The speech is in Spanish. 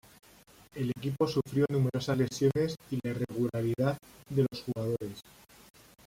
El equipo sufrió numerosas lesiones y la irregularidad de los jugadores.